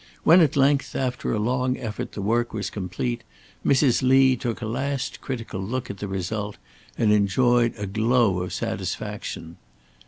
When at length, after a long effort, the work was complete, Mrs. Lee took a last critical look at the result, and enjoyed a glow of satisfaction.